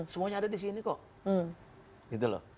semuanya ada disini kok